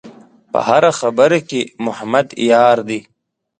په هره خبره کې محمد یار دی.